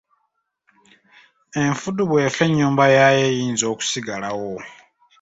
Enfudu bw’efa ennyumba yaayo eyinza okusigalawo.